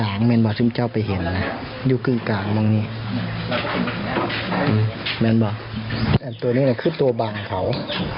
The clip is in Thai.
อันนี้ก็ตัวบังของเขา